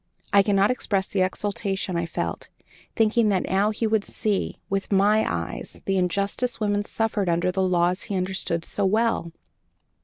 I cannot express the exultation I felt, thinking that now he would see, with my eyes, the injustice women suffered under the laws he understood so well.